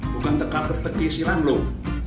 bukan teka teke silang loh